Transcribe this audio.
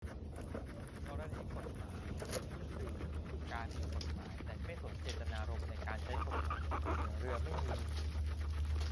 กรณี กฎหมาย ถือหุ้นสื่อ คือการ มีกฎหมายแต่ไม่สนเจตนารมณ์ในการใช้กฎหมาย เหมือนเรือ ไม่มี